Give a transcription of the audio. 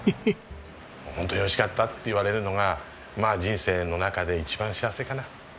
「本当に美味しかった」って言われるのがまあ人生の中で一番幸せかな。